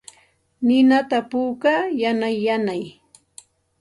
Ninata puukaa yanay yanay.